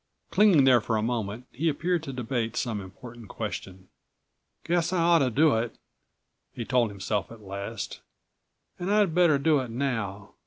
Clinging there for a moment, he appeared to debate some important question. "Guess I ought to do it," he told himself at207 last. "And I'd better do it now.